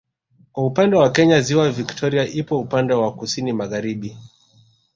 Kwa upande wa Kenya ziwa Victoria lipo upande wa kusini Magharibi